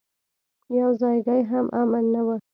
يو ځايګى هم امن نه و.